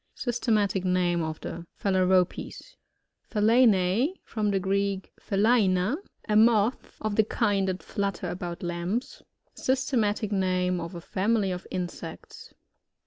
Systematic name of the Fhalaropes. PHALENiE >From the Greek phulaina^ a moth, (of the kind that flutter about lamps.) Systematic name of a family of insects.